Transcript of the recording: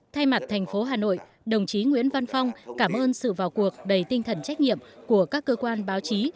thay mặt thành phố hà nội đồng chí nguyễn văn phong cảm ơn sự vào cuộc đầy tinh thần trách nhiệm của các cơ quan báo chí